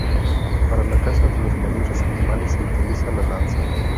Para la caza de los mayores animales se utiliza la lanza.